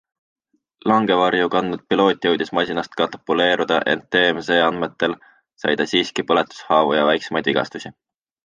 Langevarju kandnud piloot jõudis masinast katapulteeruda, ent TMZ andmetel sai ta siiski põletushaavu ja väiksemaid vigastusi.